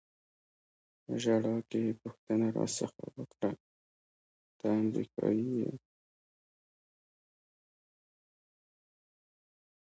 په ژړا کې یې پوښتنه را څخه وکړه: ته امریکایي یې؟